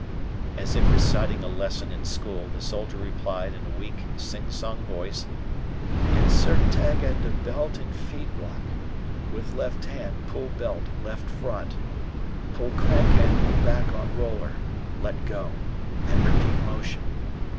As if reciting a lesson in school, the soldier replied in a weak, singsong voice: "Insert tag end of belt in feed block, with left hand pull belt left front. Pull crank handle back on roller, let go, and repeat motion.